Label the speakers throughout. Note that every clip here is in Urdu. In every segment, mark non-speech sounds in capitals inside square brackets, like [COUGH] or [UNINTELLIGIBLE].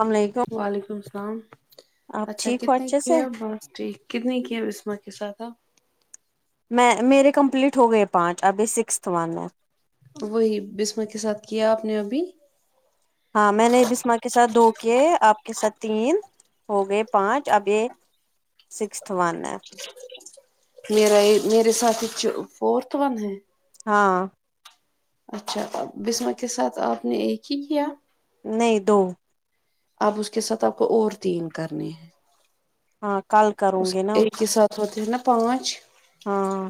Speaker 1: السلام علیکم
Speaker 2: وعلیکم السلام
Speaker 1: آپ
Speaker 2: اچھا
Speaker 1: ٹھیک ہو
Speaker 2: کتنے
Speaker 1: اچھے سے
Speaker 2: کیا ہے بس ٹھیک کتنے کی بسمہ کے ساتھ آپ
Speaker 1: میں میرے کمپلیٹ ہو گئے پانچ ابھی سیکستھ ون ہے
Speaker 2: وہی بسمہ کے ساتھ کیا آپ نے ابھی
Speaker 1: ہاں میں نے بسماں کے ساتھ دو کیے آپ کے ساتھ تین ہو گئے پانچ ابھی سیکست ون ہے
Speaker 2: ج میرا یہ میرے ساتھی چو فورتھ ون ہے
Speaker 1: ہاں
Speaker 2: اچھا بسمہ کے ساتھ آپ نے ایک ہی کیا
Speaker 1: نہیں دو
Speaker 2: آپ اس کے ساتھ آپ کو اور تین کرنے ہیں
Speaker 1: ہاں کل کروں
Speaker 2: اس
Speaker 1: گی نا
Speaker 2: ایک کے ساتھ خاطر ہیں نا پانچ
Speaker 1: ہاں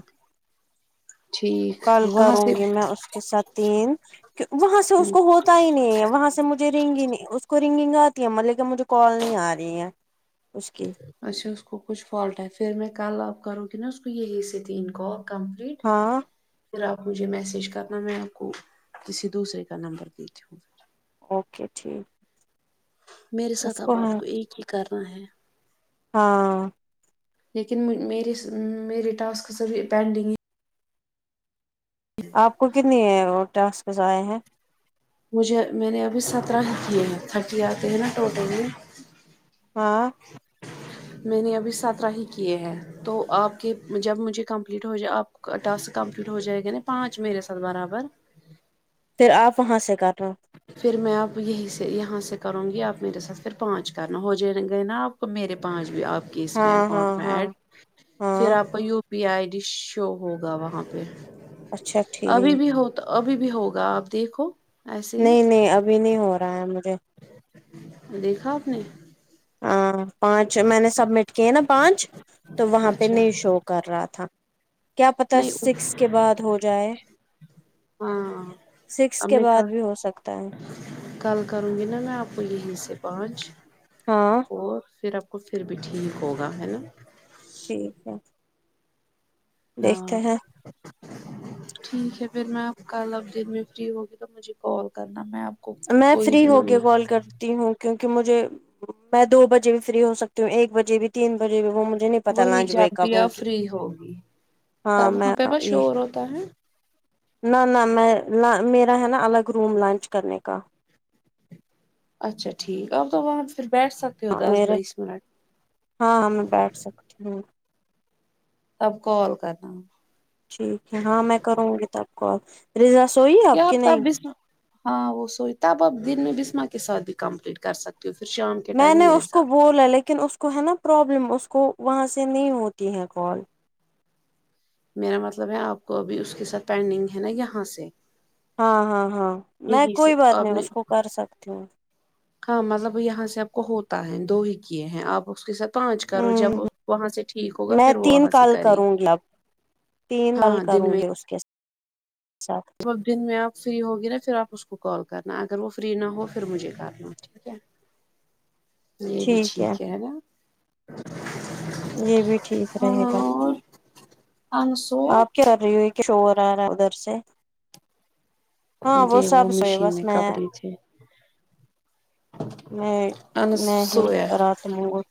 Speaker 2: ٹھیک
Speaker 1: کال
Speaker 2: وہاں
Speaker 1: کروں
Speaker 2: سے
Speaker 1: گی میں اس کے س تین وہاں سے اس کو ہو پتہ ہی نہیں ہے وہاں سے مجھے رنگی نہیں اس کو رنگنگ آتی ہے ملیکہ کہ مجھے کال نہیں آ رہی ہے اس کی
Speaker 2: اچھا اس کو کچھ فالٹ ہے پھر میں کل آپ کروں گی نا اس کو یہی سے تین کو کمپلیٹ
Speaker 1: ہاں
Speaker 2: پھر آپ مجھے میسج کرنا میں آپ کو کسی دوسرے کا نمبر دیتی ہوں
Speaker 1: اوکے ٹھیک
Speaker 2: میرے
Speaker 1: اس
Speaker 2: ساتھ اب
Speaker 1: ہے
Speaker 2: آپ کو ایک ہی کرنا ہے
Speaker 1: ہاں
Speaker 2: لیکن م میری ٹاسک پینڈنگ
Speaker 1: آپ کو کتنی ٹاسک آئے ہیں
Speaker 2: مجھے میں نے ابھی سترہ ہی کیے ہیں تھرٹی آتے ہیں نا ٹوٹلی
Speaker 1: ہاں
Speaker 2: میں نے ابھی سترہ ہی کیے ہیں تو آپ کے جب مجھے کمپلیٹ ہو جائے آپ ٹاسک کمپلیٹ ہو جائے گا نا پانچ میرے ساتھ برابر
Speaker 1: پھر آپ وہاں سے کر رہا ہوں
Speaker 2: پھر میں آپ یہیں سے یہاں سے کروں گی آپ میرے ساتھ پھر پانچ کرنا ہو جائے گئے نا آپ میرے پانچ بھی آپ کے اس میں
Speaker 1: ہاں
Speaker 2: اکاؤنٹ
Speaker 1: ہاں
Speaker 2: میں
Speaker 1: ہاں
Speaker 2: ایڈ پھر
Speaker 1: ہاں
Speaker 2: آپ کا U P I D show ہوگا وہاں پہ
Speaker 1: اچھا
Speaker 2: ابھی
Speaker 1: ٹھیک
Speaker 2: بھی ہو تو ابھی بھی ہوگا آپ دیکھو ایسے ہی
Speaker 1: نہیں نہیں ابھی نہیں ہو رہا ہے مجھے
Speaker 2: دیکھا آپ نے
Speaker 1: ا پانچ میں نے سبمٹ کیے نا پانچ تو وہاں پہ
Speaker 2: اچھا
Speaker 1: نہیں شو کر رہا تھا کیا پتا
Speaker 2: نہیں
Speaker 1: سکس کے بعد ہو جائے
Speaker 2: ہاں
Speaker 1: سکس
Speaker 2: اب
Speaker 1: کے
Speaker 2: میں
Speaker 1: بعد
Speaker 2: کا
Speaker 1: بھی ہو سکتا ہے
Speaker 2: کل کروں گی نا میں آپ کو یہیں سے پہنچ
Speaker 1: ہاں
Speaker 2: اور پھر آپ کو پھر بھی ٹھیک ہوگا ہے نا
Speaker 1: ٹھیک ہے
Speaker 2: ہاں
Speaker 1: دیکھتے ہیں
Speaker 2: ٹھیک ہے پھر میں کل اب دن میں فری ہوگی تو مجھے کال کرنا میں آپ کو
Speaker 1: میں
Speaker 2: کوئی
Speaker 1: فری ہو کے
Speaker 2: نمبر
Speaker 1: کال کر ہوں کیونکہ مجھے میں دو بجے بھی فری ہو سکتی ہوں ایک بجے بھی تین بجے بھی وہ مجھے نہیں پتا
Speaker 2: وہی
Speaker 1: لانج
Speaker 2: جب
Speaker 1: بریک اپ
Speaker 2: بھی
Speaker 1: ہوگی
Speaker 2: فری ہوگی
Speaker 1: ہاں
Speaker 2: تب وہاں
Speaker 1: میں
Speaker 2: پہ بس
Speaker 1: یہ
Speaker 2: شور ہوتا ہے
Speaker 1: نہ نہ میں میرا ہے نا الگ روم لنچ کرنے کا
Speaker 2: اچھا ٹھیک ہے آپ تو وہاں پھر بیٹھ سکتے ہو دس
Speaker 1: میرے
Speaker 2: بیس منٹ
Speaker 1: ہاں میں بیٹھ سکتی ہ
Speaker 2: تب کال کرنا
Speaker 1: ٹھیک ہے ہاں میں کروں گا ک تب کال ریضا سوئی آپ کی
Speaker 2: کیاتا
Speaker 1: نہیں
Speaker 2: بھیسنا ہاں وہ سویی تب آپ دن میں بسما کے ساتھ بھی کمپلیٹ کر سکتی ہو پھر شام کے
Speaker 1: میں
Speaker 2: ٹائم
Speaker 1: نے
Speaker 2: میرے
Speaker 1: اس کو
Speaker 2: ساتھ
Speaker 1: بولا لیکن اس کو ہے نا پرابلم اس کو وہاں سے نہیں ہوتی ہے کال
Speaker 2: میرا مطلب ہے آپ کو ابھی اس کے ساتھ پینڈنگ ہے نا یہاں سے
Speaker 1: ہاں ہاں ہاں میں
Speaker 2: یہی سے
Speaker 1: کوئی بات
Speaker 2: آپ
Speaker 1: نہیں
Speaker 2: نے
Speaker 1: اس کو کر سکتی ہوں
Speaker 2: ہاں مطلب یہاں سے آپ کو ہوتا ہے دو ہی کیے ہیں آپ اس کے ساتھ پانچ کرو
Speaker 1: ہوں
Speaker 2: جب وہاں سے ٹھیک ہوگا
Speaker 1: میں
Speaker 2: پھر وہ
Speaker 1: تین
Speaker 2: وہاں سے
Speaker 1: کال
Speaker 2: کرے گی
Speaker 1: کروں اب تین دل
Speaker 2: ہاں
Speaker 1: کروں گی اس کے ساتھ
Speaker 2: اب دن میں آپ فری ہوگی نا پھر آپ اس کو کال کرنا اگر وہ فری نہ ہو پھر مجھے کرنا [INAUDIBLE] یہ بھی ٹھیک ہے ہے نا
Speaker 1: یہ بھی ٹھیک رہے گا
Speaker 2: اور
Speaker 1: آپ کیا کر رہی ہوئی ک شور ا رہا ہے ادھر سے ہاں وہ
Speaker 2: یہ
Speaker 1: سب سوی
Speaker 2: مشین
Speaker 1: بس میں
Speaker 2: کپڑے تھے
Speaker 1: میں
Speaker 2: انس
Speaker 1: میں ہی
Speaker 2: سویا
Speaker 1: رات مے گل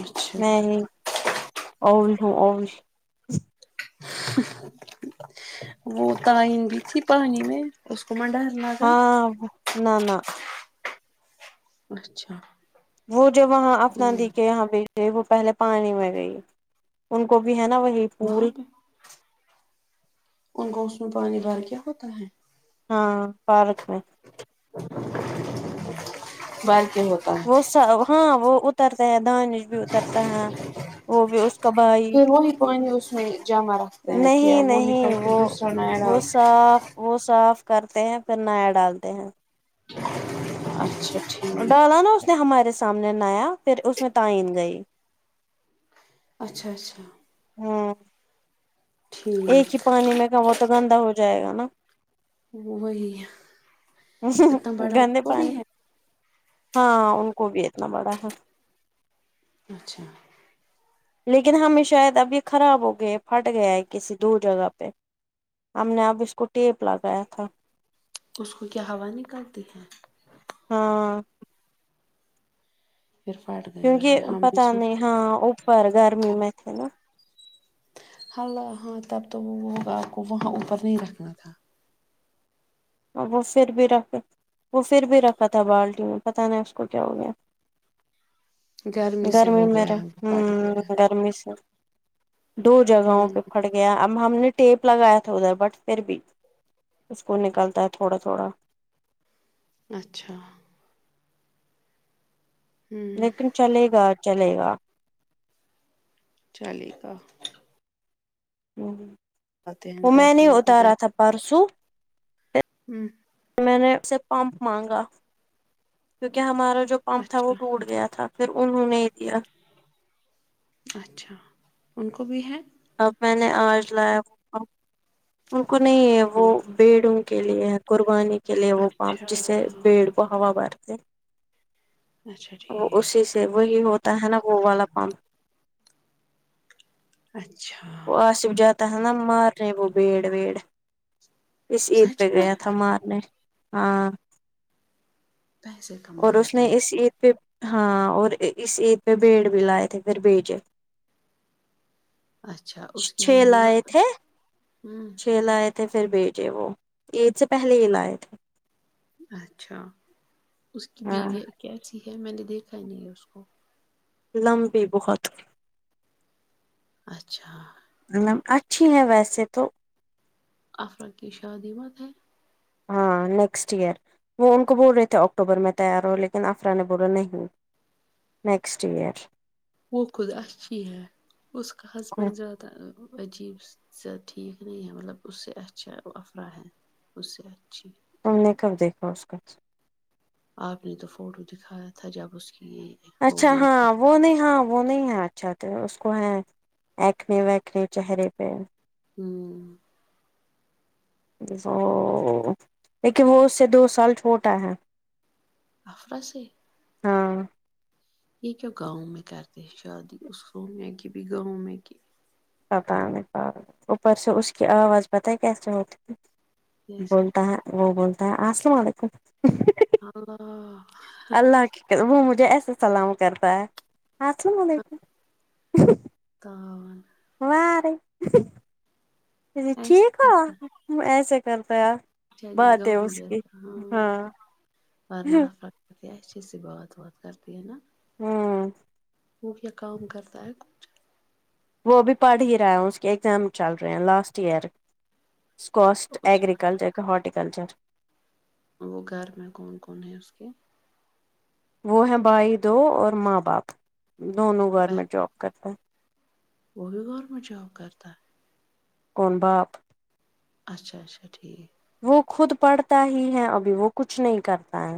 Speaker 2: اچھا
Speaker 1: [INAUDIBLE]
Speaker 2: وہ تئین بھی تھی پانی میں اس کو منڈانا
Speaker 1: ہاں نہ نہ
Speaker 2: اچھا
Speaker 1: وہ جو وہاں اپنادی
Speaker 2: ٹھیک
Speaker 1: کے یہاں بیچے وہ پہلے پانی میں گئی ان کو بھی ہے نا وہی
Speaker 2: وہاں
Speaker 1: پول
Speaker 2: پہ ان کو اس میں پانی بھر کیا ہوتا ہے
Speaker 1: ہاں پارک میں
Speaker 2: بالک ہوتا
Speaker 1: وہ
Speaker 2: ہے
Speaker 1: سب ہاں وہ اترتے ہیں دانش بھی اترتا ہے وہ بھی اس کا بھائی
Speaker 2: پھر وہی پانی اس میں جمع رکھتے ہیں کیا
Speaker 1: نہیں
Speaker 2: وہ نکل
Speaker 1: نہیں
Speaker 2: کے
Speaker 1: وہ
Speaker 2: دوسرا نیا
Speaker 1: وہ
Speaker 2: ڈال
Speaker 1: صاف وہ صاف کرتے ہیں پھر نیا ڈالتے ہیں
Speaker 2: [UNINTELLIGIBLE]
Speaker 1: ڈالا نا اس نے ہمارے سامنے نیا پھر اس میں تئین گئی
Speaker 2: اچھا اچھا
Speaker 1: ہاں ایک ہی
Speaker 2: ٹھیک
Speaker 1: پانی میں کا وہ تو گندا ہو جائے گا نا
Speaker 2: وہی اتنا
Speaker 1: ہوں
Speaker 2: بڑا
Speaker 1: گندے
Speaker 2: وہ بھی
Speaker 1: پانی
Speaker 2: ہے
Speaker 1: ہاں ان کو بھی اتنا بڑا ہے
Speaker 2: اچھا
Speaker 1: لیکن ہمیں شاید اب یہ خراب ہو گئے پھٹ گیا ہے کسی دور جگہ پہ ہم نے اب اس کو ٹیپ لگایا تھا
Speaker 2: اس کو کیا ہوا نکالتی ہے
Speaker 1: ہاں
Speaker 2: پھر پھٹ گیا
Speaker 1: کیونکہ
Speaker 2: ہے ہم بھی
Speaker 1: پتا
Speaker 2: سو
Speaker 1: نہیں ہاں اوپر گرمی میں تھے نا
Speaker 2: ہ ہاں تب تو وہ وہ ہوگا آپ کو وہاں اوپر نہیں رکھنا تھا
Speaker 1: وہ پھر بھی رکھے وہ پھر بھی رکھا تھا بالٹی میں پتہ نہیں اس کو کیا ہو گیا
Speaker 2: سے
Speaker 1: گرمی
Speaker 2: ہو گیا
Speaker 1: میرے
Speaker 2: ہے
Speaker 1: ہ
Speaker 2: پھٹ گیا ہے
Speaker 1: گرمی سے دو جگہوں
Speaker 2: ہوں
Speaker 1: پہ پھڑ گیا اب ہم نے ٹیپ لگایا تھا ادھر بٹ پھر بھی اس کو نکلتا ہے تھوڑا تھوڑا
Speaker 2: اچھا ہوں
Speaker 1: لیکن چلے گا چلے گا
Speaker 2: چلے گا
Speaker 1: ہوں
Speaker 2: آتے ہیں
Speaker 1: وہ میں نے
Speaker 2: گرم گھر
Speaker 1: اتارا تھا پرسوں
Speaker 2: ہوں
Speaker 1: میں نے اسے پمپ مانگا کیونکہ ہمارا جو پمپ تھا وہ
Speaker 2: اچھا
Speaker 1: ٹوٹ گیا تھا پھر انہوں نے دیا
Speaker 2: اچھا ان کو بھی ہے
Speaker 1: اب میں نے آج لایا وہ ان کو نہیں ہے وہ
Speaker 2: ان کو
Speaker 1: بھیڑوں کے لیے ہے قربانی کے لیے وہ پمپ
Speaker 2: اچھا
Speaker 1: جس سے بھیڑ کو ہوا بھرتے
Speaker 2: اچھا
Speaker 1: وہ
Speaker 2: ٹھیک
Speaker 1: اسی سے وہی ہوتا ہے نا وہ والا پمپ
Speaker 2: اچھا
Speaker 1: وہ آصف جاتا ہے نا مارنے وہ بھیڑ ویڈ اس عید پہ
Speaker 2: سچ میں
Speaker 1: گیا تھا مارنے ہاں
Speaker 2: پیسے
Speaker 1: اور
Speaker 2: کمانے
Speaker 1: اس نے
Speaker 2: کے لیے
Speaker 1: اس عید پہ ہاں اور اس عید پہ بھیڑ بھی لائے تھے پھر بیجے
Speaker 2: اچھا اس کی
Speaker 1: چھ
Speaker 2: بیوی
Speaker 1: لائے
Speaker 2: مت
Speaker 1: تھے
Speaker 2: ہوں
Speaker 1: چھ لائے تھ تھے پھر بچے وہ عید سے پہلے ہی لائے تھے
Speaker 2: اچھا اس کی بیوی کیسی ہے میں نے دیکھا نہیں ہے اس کو
Speaker 1: لمبی بہت
Speaker 2: اچھا
Speaker 1: مم اچھی ہے ویسے تو
Speaker 2: افرا کی شادی ہوت ہے
Speaker 1: ہاں نیکسٹ ایئر وہ ان کو بول رہے تھے اکٹوبر میں تیار ہو لیکن افرا نے بولا نہیں نیکسٹ ایئر
Speaker 2: وہ خود اچھی ہے اس کا
Speaker 1: کو
Speaker 2: ہسبینڈ زیادہ عجیب س ٹھیک نہیں ہے مطلب اس سے اچھا افرا ہے اس سے اچھی
Speaker 1: تم نے کب دیکھا اس کو
Speaker 2: آپ نے تو فوٹو دکھایا تھا جب اس کی ہو
Speaker 1: اچھا
Speaker 2: گئی
Speaker 1: ہاں
Speaker 2: تھی
Speaker 1: وہ نہیں ہاں وہ نہیں ہے اچھا تو اس کو ہے اکنے وکنے چہرے پہ
Speaker 2: ہمم
Speaker 1: وه لیکن وہ اس سے دو سال چھوٹا ہے
Speaker 2: افر سے
Speaker 1: ہاں
Speaker 2: یہ کیا گاؤں میں کرتے ہیں شادی اس سنیا کی بھی گاؤں میں کی
Speaker 1: پتا نہی پر اپر سے اسکی آواز پتا ہے کیسی ہوتی ہے
Speaker 2: جیسے
Speaker 1: بولتا ہے وہ بولتا ہے السلام علیکم
Speaker 2: ہاں
Speaker 1: اللہ کی وہ مجھے ایسے سلام کرتا ہے السلام علیکم
Speaker 2: گاؤ والا
Speaker 1: ہا تھک
Speaker 2: ایسے
Speaker 1: ٹھیک ہو ایسے کرتا آ
Speaker 2: [UNINTELLIGIBLE] پے سے اس سے بات وات کرتی ہیں نا
Speaker 1: ہمم
Speaker 2: وہ بھی کام کرتا ہے
Speaker 1: وہ بھی پڑھ ہی رہا ہے اس کے ایگزام چل رہے ہیں لاسٹ ایئر اسکوسٹ
Speaker 2: اس
Speaker 1: ایگرییکلچر کا ہارٹییکلچر
Speaker 2: وہ گھر میں کون کون ہیں اس کے
Speaker 1: وہ ہیں بھائی دو اور ماں باپ دونوں
Speaker 2: بہن
Speaker 1: گورمنٹ جاب کرتے ہیں
Speaker 2: وہ بھی گورمنٹ جاب کرتا ہے
Speaker 1: کون باپ
Speaker 2: اچھا اچھا ٹھیک
Speaker 1: وہ خود پڑھتا ہی ہے ابھی وہ کچھ نہیں کرتا ہے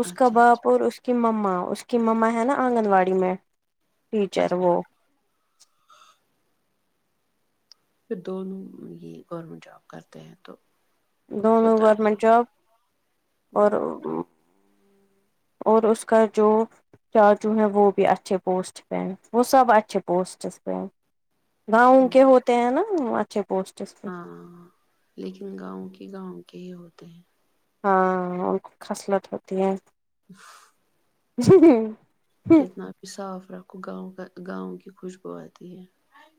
Speaker 1: اس کا
Speaker 2: اچھا اچھا
Speaker 1: باپ اور اس کی مما اس کی مما ہے نا آنگن واڑی میں ٹیچر
Speaker 2: اچھا
Speaker 1: وہ
Speaker 2: پھر دونوں یہ گورنمنٹ جاب کرتے ہیں تو
Speaker 1: دونوں
Speaker 2: چھوٹا اچھے
Speaker 1: گورمنٹ جاب اور اور اس کا جو کیا جو ہیں وہ بھی اچھے پوسٹ پہ ہیں وہ سب اچھے پوسٹس پہ ہیں گاؤں کے ہوتے ہیں نا اچھے پوسٹس پہ
Speaker 2: ہاں لیکن گاؤں کے گاؤں کے ہی ہوتے ہیں
Speaker 1: ہاں خصلت ہوتی ہے جی
Speaker 2: کتنا بھی صاف رکھو گاؤں کا گاؤں کی خوشبو آتی ہے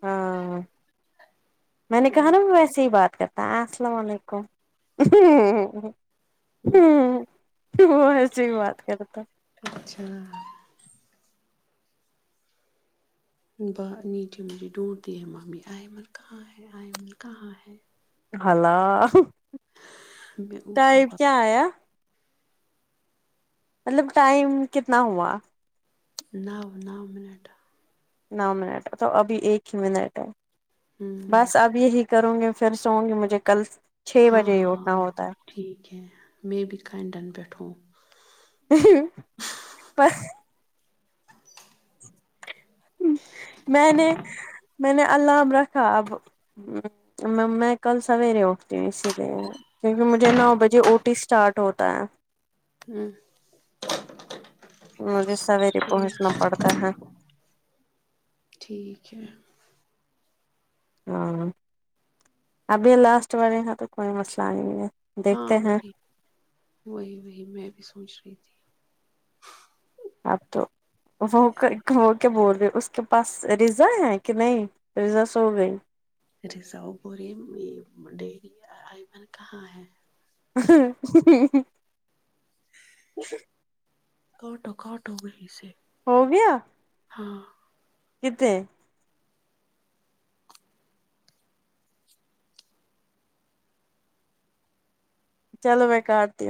Speaker 1: ہاں میں نے کہا نا ویسے ہی بات کرتا السلام علیکم
Speaker 2: ہوں
Speaker 1: وہ ایسے ہی بات کرتا
Speaker 2: اچھا با نیچے مجھے ڈھونڈ دی ہے می آئمن کہاں ہے آئمن کہاں ہے
Speaker 1: ہلو
Speaker 2: میں اوپر
Speaker 1: ٹائب
Speaker 2: با
Speaker 1: کیا آیا مطلب ٹائم کتنا ہوا
Speaker 2: نو نو منٹ
Speaker 1: نو منٹ تو ابھی ایک ہی منٹ ہے
Speaker 2: ہوں
Speaker 1: بس اب یہی کروں گی پھر سووں گی مجھے کل چھ
Speaker 2: ہاں
Speaker 1: بجے ہی اٹھنا
Speaker 2: ہاں
Speaker 1: ہوتا ہے
Speaker 2: ٹھیک ہے میں بھی کنڈن پے ہوں
Speaker 1: ہمم پر میں نے میں نے اللام رکھا اب مے مے کل سویرے اٹھتی ہوں اسی لیے کیونکہ مجھے نو بجے اوٹی اسٹارٹ ہوتا ہے
Speaker 2: ہوں
Speaker 1: مجھے سویرے
Speaker 2: ٹھیک
Speaker 1: پہنچنا پڑتا ہے
Speaker 2: ٹھیک ہے
Speaker 1: ہاں ابھی لاسٹ والے ہیں تو کوئی مسئلہ نہیں ہے
Speaker 2: ہاں
Speaker 1: دیکھتے ہیں
Speaker 2: وہی وہی وہی میں بھی سوچ رہی تھی
Speaker 1: اپ تو وہ کے بول رہے اس کے پاس رزا ہیں کہ نہیں رزا سو گئی
Speaker 2: [UNINTELLIGIBLE] [UNINTELLIGIBLE]
Speaker 1: ہو گیا
Speaker 2: ہاں
Speaker 1: کتنے چلو میں کاٹتی ہوں